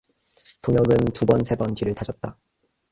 동혁은 두번 세번 뒤를 다졌다.